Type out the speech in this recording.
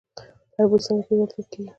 تربوز څنګه پیژندل کیږي؟